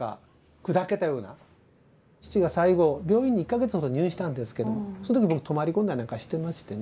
父が最期病院に１か月ほど入院したんですけどその時僕泊まり込んだりなんかしてましてね。